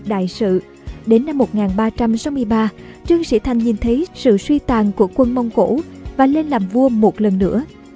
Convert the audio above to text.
đại sự đến năm một nghìn ba trăm sáu mươi ba trương sĩ thành nhìn thấy sự suy tàn của quân mông cổ và lên làm vua một lần nữa